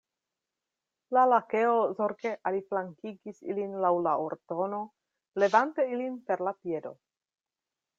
La Lakeo zorge aliflankigis ilin laŭ la ordono, levante ilin per la piedo.